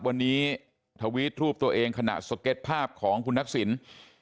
วันนี้ทวีตรูปตัวเองขณะสเก็ตภาพของคุณทักษิณ